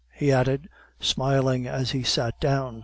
he added, smiling as he sat down.